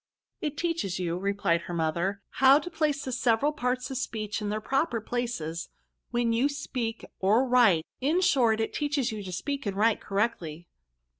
" It teaches you, replied her mother, ^* how to place the several parts of speech in their proper places, when you speak or write ; in short, it teaches you to speak and write correctly."